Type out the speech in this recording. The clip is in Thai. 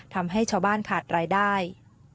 ทำให้ชาวบ้านขาดรายได้